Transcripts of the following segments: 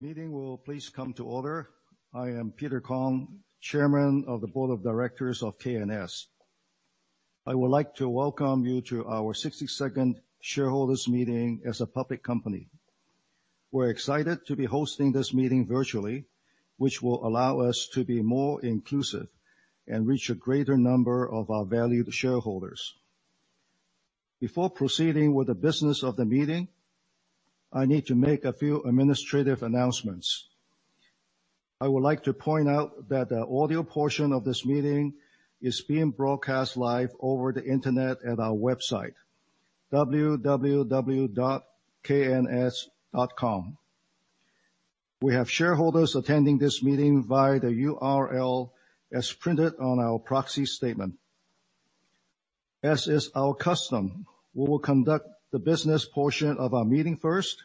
Meeting will please come to order. I am Peter Kong, Chairman of the Board of Directors of K&S. I would like to welcome you to our 62nd shareholders' meeting as a public company. We're excited to be hosting this meeting virtually, which will allow us to be more inclusive and reach a greater number of our valued shareholders. Before proceeding with the business of the meeting, I need to make a few administrative announcements. I would like to point out that the audio portion of this meeting is being broadcast live over the internet at our website, www.kns.com. We have shareholders attending this meeting via the URL as printed on our proxy statement. As is our custom, we will conduct the business portion of our meeting first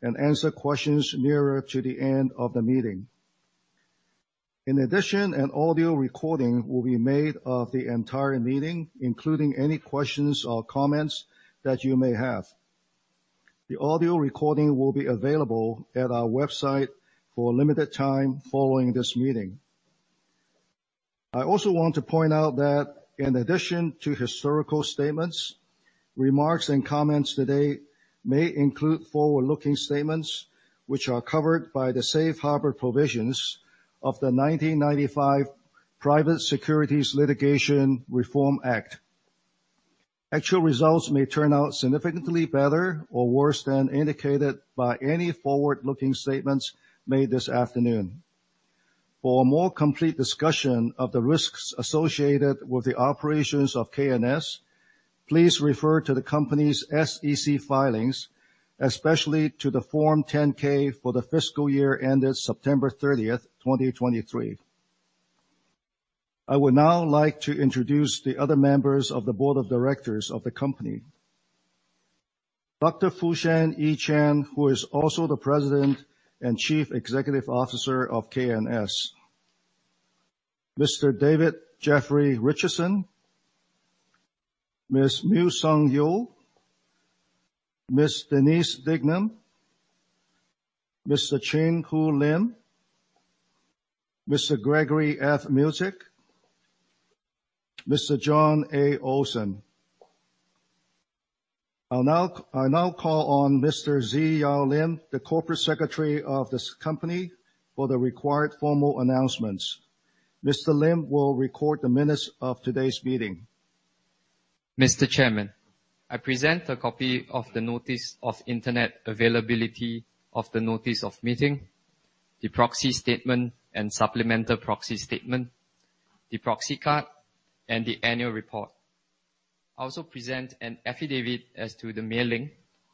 and answer questions nearer to the end of the meeting. In addition, an audio recording will be made of the entire meeting, including any questions or comments that you may have. The audio recording will be available at our website for a limited time following this meeting. I also want to point out that in addition to historical statements, remarks and comments today may include forward-looking statements which are covered by the Safe Harbor provisions of the 1995 Private Securities Litigation Reform Act. Actual results may turn out significantly better or worse than indicated by any forward-looking statements made this afternoon. For a more complete discussion of the risks associated with the operations of K&S, please refer to the company's SEC filings, especially to the Form 10-K for the fiscal year ended September 30th, 2023. I would now like to introduce the other members of the board of directors of the company, Dr. Fusen Chen, who is also the President and Chief Executive Officer of K&S, Mr. D. Jeffrey Richardson, Ms. Mui Sung Yeo, Ms. Denise Dignum, Mr. Chin Hu Lim, Mr. Gregory F. Milzcik, Mr. John A. Olson. I'll now call on Mr. Zi Yao Lim, the Corporate Secretary of the company, for the required formal announcements. Mr. Lim will record the minutes of today's meeting. Mr. Chairman, I present a copy of the notice of internet availability of the notice of meeting, the proxy statement and supplemental proxy statement, the proxy card, and the annual report. I also present an affidavit as to the mailing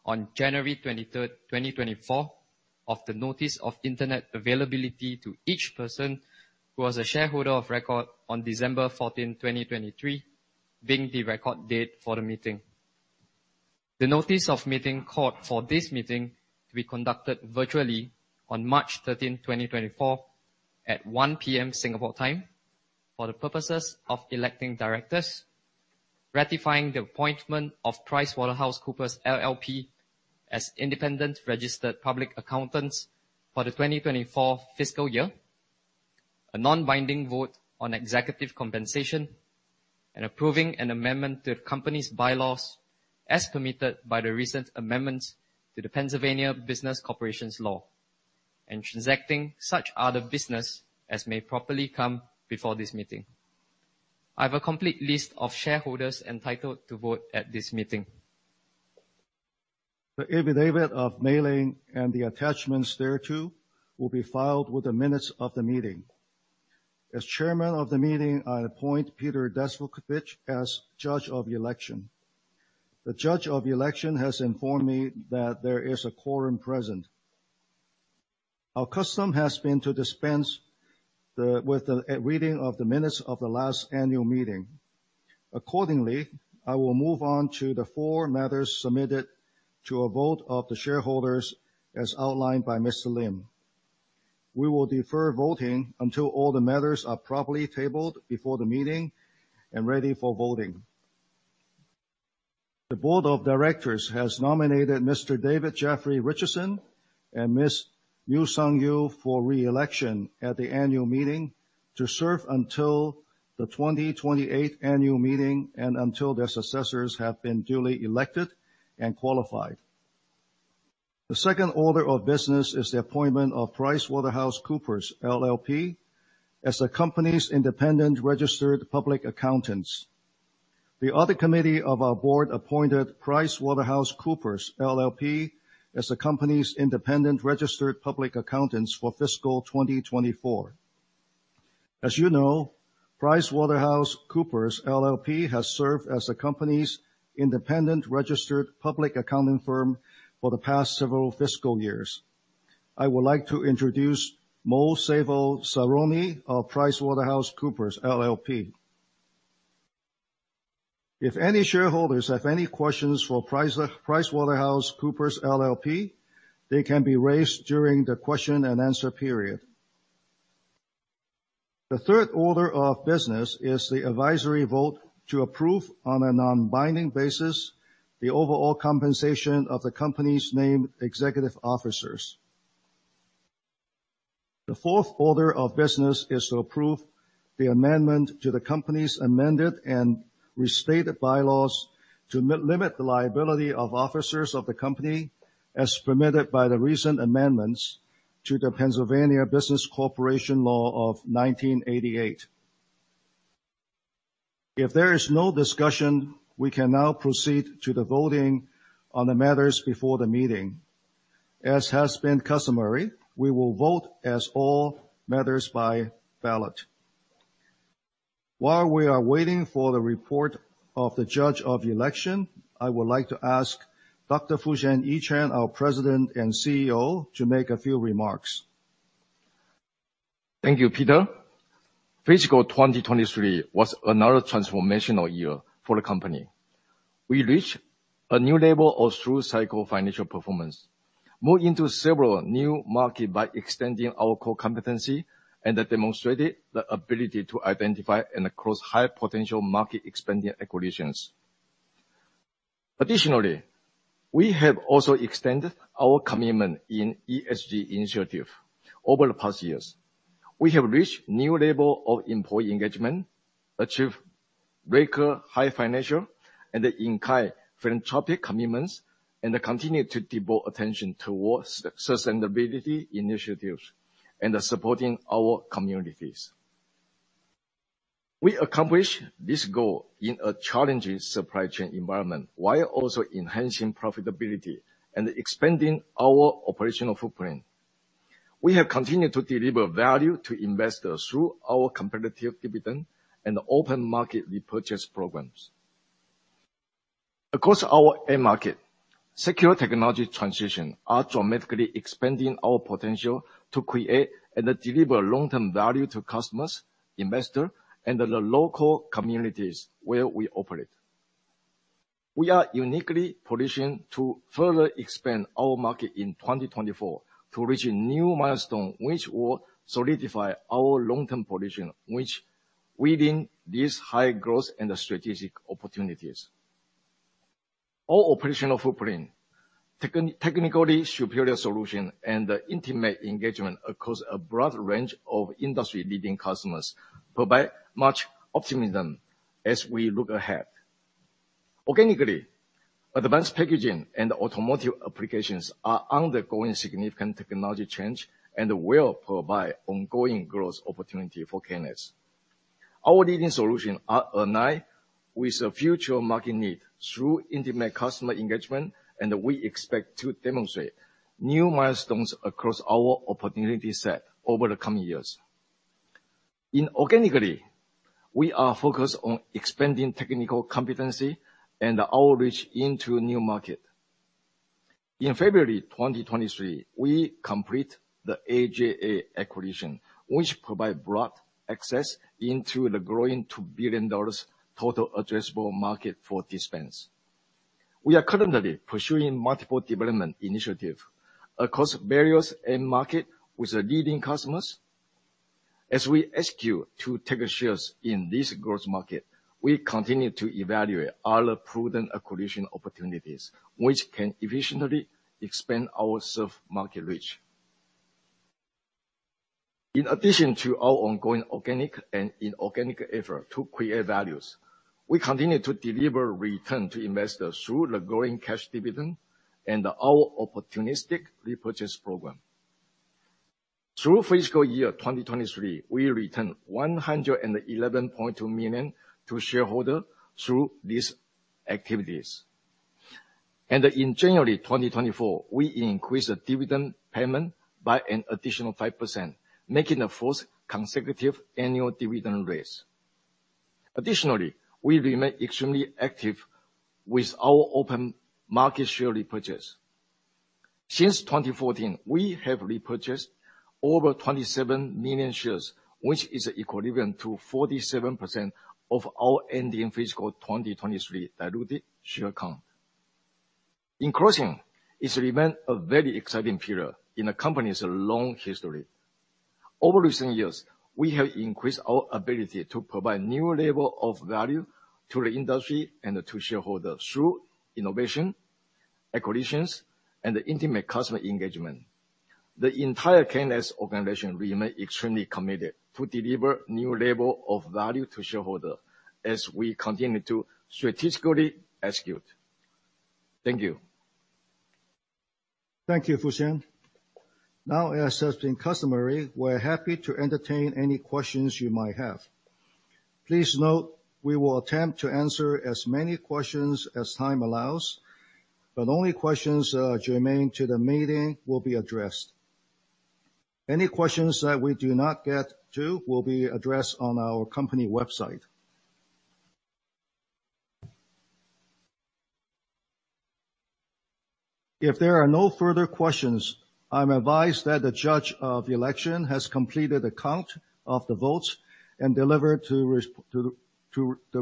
on January 23rd, 2024, of the notice of internet availability to each person who was a shareholder of record on December 14th, 2023, being the record date for the meeting. The notice of meeting called for this meeting to be conducted virtually on March 13th, 2024, at 1:00 P.M. Singapore time for the purposes of electing directors, ratifying the appointment of PricewaterhouseCoopers LLP as independent registered public accountants for the 2024 fiscal year, a non-binding vote on executive compensation, and approving an amendment to the company's bylaws as permitted by the recent amendments to the Pennsylvania Business Corporation Law, and transacting such other business as may properly come before this meeting. I have a complete list of shareholders entitled to vote at this meeting. The affidavit of mailing and the attachments thereto will be filed with the minutes of the meeting. As chairman of the meeting, I appoint Peter Descovich as judge of election. The judge of election has informed me that there is a quorum present. Our custom has been to dispense with the reading of the minutes of the last annual meeting. Accordingly, I will move on to the four matters submitted to a vote of the shareholders as outlined by Mr. Lim. We will defer voting until all the matters are properly tabled before the meeting and ready for voting. The board of directors has nominated Mr. D. Jeffrey Richardson and Ms. Mui Sung Yeo for reelection at the annual meeting to serve until the 2028 annual meeting and until their successors have been duly elected and qualified. The second order of business is the appointment of PricewaterhouseCoopers LLP as the company's independent registered public accountants. The Audit Committee of our board appointed PricewaterhouseCoopers LLP as the company's independent registered public accountants for fiscal 2024. As you know, PricewaterhouseCoopers LLP has served as the company's independent registered public accounting firm for the past several fiscal years. I would like to introduce Musab Saroni of PricewaterhouseCoopers LLP. If any shareholders have any questions for PricewaterhouseCoopers LLP, they can be raised during the question and answer period. The third order of business is the advisory vote to approve on a non-binding basis the overall compensation of the company's named executive officers. The fourth order of business is to approve the amendment to the company's amended and restated bylaws to limit the liability of officers of the company as permitted by the recent amendments to the Pennsylvania Business Corporation Law of 1988. If there is no discussion, we can now proceed to the voting on the matters before the meeting. As has been customary, we will vote on all matters by ballot. While we are waiting for the report of the judge of election, I would like to ask Dr. Fusen Chen, our President and CEO, to make a few remarks. Thank you, Peter. Fiscal 2023 was another transformational year for the company. We reached a new level of through-cycle financial performance, moved into several new markets by extending our core competency, and demonstrated the ability to identify and close high-potential market expansion acquisitions. Additionally, we have also extended our commitment in ESG initiatives over the past years. We have reached a new level of employee engagement, achieved regular high financial and in-kind philanthropic commitments, and continued to devote attention toward sustainability initiatives and supporting our communities. We accomplished this goal in a challenging supply chain environment while also enhancing profitability and expanding our operational footprint. We have continued to deliver value to investors through our competitive dividend and open market repurchase programs. Across our end market, secular technology transitions are dramatically expanding our potential to create and deliver long-term value to customers, investors, and the local communities where we operate. We are uniquely positioned to further expand our market in 2024 to reach new milestones which will solidify our long-term position within these high-growth and strategic opportunities. Our operational footprint, technically superior solutions, and intimate engagement across a broad range of industry-leading customers provide much optimism as we look ahead. Organically, advanced packaging and automotive applications are undergoing significant technology change and will provide ongoing growth opportunities for K&S. Our leading solutions align with future market needs through intimate customer engagement, and we expect to demonstrate new milestones across our opportunity set over the coming years. Organically, we are focused on expanding technical competency and our reach into new markets. In February 2023, we completed the AJA acquisition, which provided broad access into the growing $2 billion total addressable market for dispense. We are currently pursuing multiple development initiatives across various end markets with leading customers. As we execute to take shares in these growth markets, we continue to evaluate other prudent acquisition opportunities which can efficiently expand our served market reach. In addition to our ongoing organic and inorganic efforts to create values, we continue to deliver returns to investors through the growing cash dividend and our opportunistic repurchase program. Through fiscal year 2023, we returned $111.2 million to shareholders through these activities. In January 2024, we increased dividend payments by an additional 5%, making the fourth consecutive annual dividend raise. Additionally, we remain extremely active with our open market share repurchase. Since 2014, we have repurchased over 27 million shares, which is equivalent to 47% of our ending fiscal 2023 diluted share count. In closing, it remains a very exciting period in the company's long history. Over recent years, we have increased our ability to provide a new level of value to the industry and to shareholders through innovation, acquisitions, and intimate customer engagement. The entire K&S organization remains extremely committed to delivering a new level of value to shareholders as we continue to strategically execute. Thank you. Thank you, Fusen. Now, as has been customary, we are happy to entertain any questions you might have. Please note, we will attempt to answer as many questions as time allows, but only questions that germane to the meeting will be addressed. Any questions that we do not get to will be addressed on our company website. If there are no further questions, I'm advised that the judge of election has completed the count of the votes and delivered the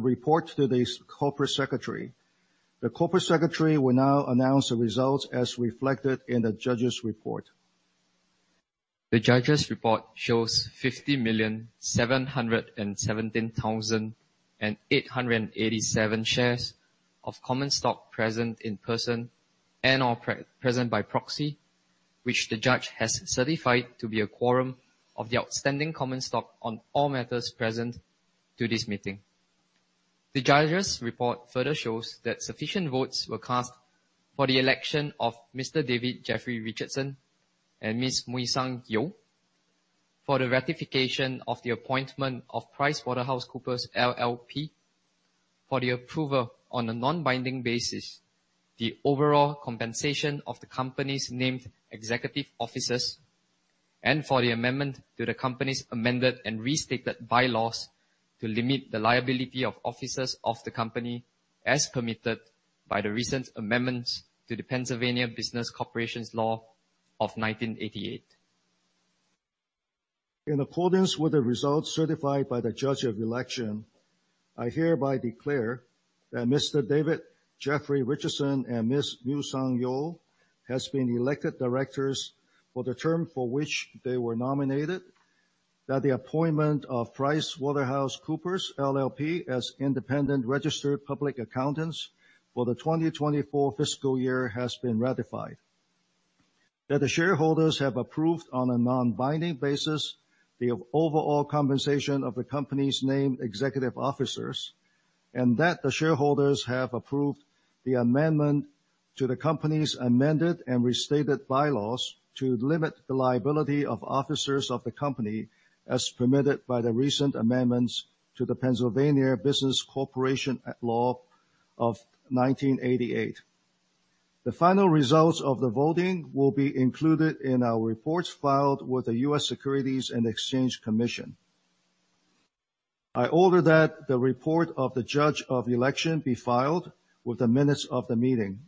report to the corporate secretary. The corporate secretary will now announce the results as reflected in the judge's report. The judge's report shows 50,717,887 shares of common stock present in person and/or present by proxy, which the judge has certified to be a quorum of the outstanding common stock on all matters present to this meeting. The judge's report further shows that sufficient votes were cast for the election of Mr. D. Jeffrey Richardson and Ms. Mui Sung Yeo, for the ratification of the appointment of PricewaterhouseCoopers LLP, for the approval on a non-binding basis of the overall compensation of the company's named executive officers, and for the amendment to the company's amended and restated bylaws to limit the liability of officers of the company as permitted by the recent amendments to the Pennsylvania Business Corporation Law of 1988. In accordance with the results certified by the judge of election, I hereby declare that Mr. D. Jeffrey Richardson and Ms. Mui Sung Yeo have been elected directors for the term for which they were nominated. That the appointment of PricewaterhouseCoopers LLP as independent registered public accountants for the 2024 fiscal year has been ratified. That the shareholders have approved on a non-binding basis the overall compensation of the company's named executive officers. And that the shareholders have approved the amendment to the company's amended and restated bylaws to limit the liability of officers of the company as permitted by the recent amendments to the Pennsylvania Business Corporation Law of 1988. The final results of the voting will be included in our reports filed with the U.S. Securities and Exchange Commission. I order that the report of the judge of election be filed with the minutes of the meeting.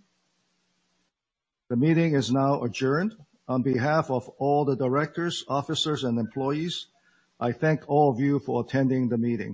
The meeting is now adjourned. On behalf of all the directors, officers, and employees, I thank all of you for attending the meeting.